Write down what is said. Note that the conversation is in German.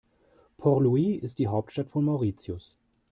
Port Louis ist die Hauptstadt von Mauritius.